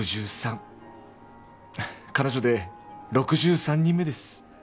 彼女で６３人目です